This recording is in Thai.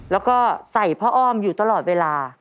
แล้วก็ใส่ผ้าอ้อมอยู่ตลอดเวลา